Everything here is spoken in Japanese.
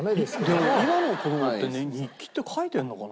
でも今の子供って日記って書いてるのかな？